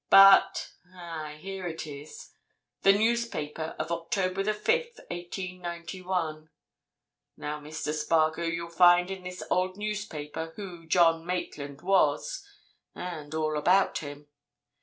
But—aye, here it is—the newspaper of October 5th, 1891. Now, Mr. Spargo, you'll find in this old newspaper who John Maitland was, and all about him.